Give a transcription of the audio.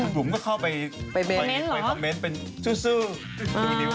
บุ๋มก็เข้าไปคอมเมนต์เป็นซื่อดูนิ้ว